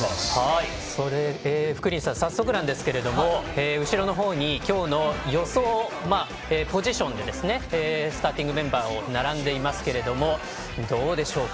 福西さん、早速ですが後ろの方に今日の予想ポジションでスターティングメンバーが並んでいますけれどもどうでしょうか？